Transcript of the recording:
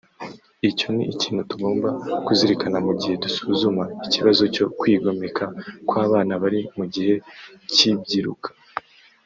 Icyo ni ikintu tugomba kuzirikana mu gihe dusuzuma ikibazo cyo kwigomeka kw’abana bari mu gihe cy’ibyiruka